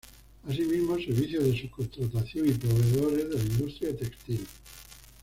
Asimismo, servicios de subcontratación y proveedores de la industria textil.